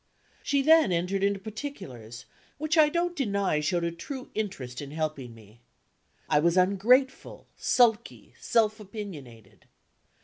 She then entered into particulars, which I don't deny showed a true interest in helping me. I was ungrateful, sulky, self opinionated.